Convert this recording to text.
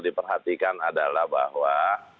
diperhatikan adalah bahwa